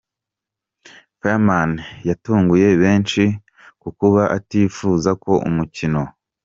Fireman yatunguye benshi ku kuba atifuzaga ko umukino.